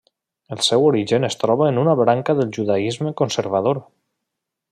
El seu origen es troba en una branca del judaisme conservador.